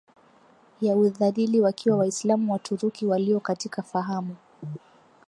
ya udhalili Wakiwa Waislamu Waturuki walio katika fahamu